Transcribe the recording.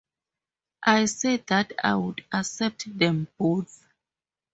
I said that I would accept them both.